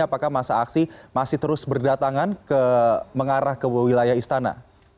apakah masa aksi masih terus berdatangan mengarah ke wilayah istana